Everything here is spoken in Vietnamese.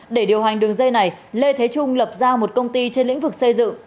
để điều hành đường dây này lê thế trung lập ra một công ty trên lĩnh vực xây dựng